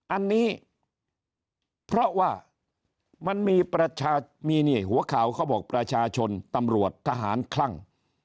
อันนี้เพราะว่ามันมีประชาชนมีหัวข่าวเขาบอกประชาชนตำรวจทหารคลั่ง